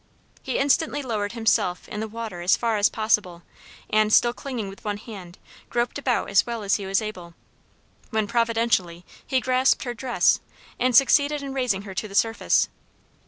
He instantly lowered himself in the water as far as possible, and, still clinging with one hand, groped about as well as he was able, when, providentially, he grasped her dress, and succeeded in raising her to the surface.